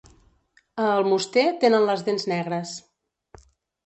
A Almoster tenen les dents negres.